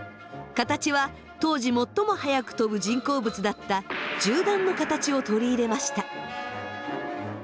形は当時最も速く飛ぶ人工物だった銃弾の形を取り入れました。